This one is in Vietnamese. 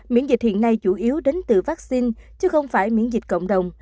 miễn dịch hiện nay chủ yếu đến từ vaccine chứ không phải miễn dịch cộng đồng